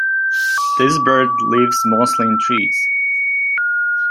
This bird lives mostly in trees.